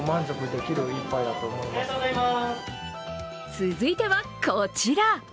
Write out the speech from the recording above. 続いては、こちら。